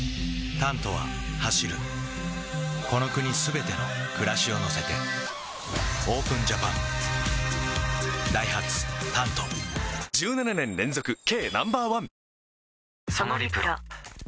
「タント」は走るこの国すべての暮らしを乗せてＯＰＥＮＪＡＰＡＮダイハツ「タント」１７年連続軽